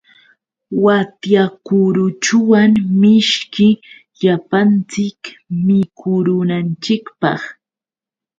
Watyakuruchuwan mishki llapanchik mikurunanchikpaq.